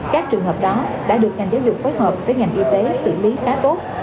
các trường hợp đó đã được ngành giáo dục phối hợp với ngành y tế xử lý khá tốt